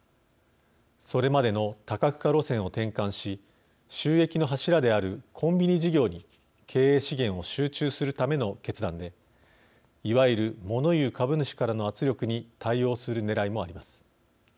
それまでの多角化路線を転換し収益の柱であるコンビニ事業に経営資源を集中するための決断でいわゆる物言う株主からの圧力に対応するねらいもあります。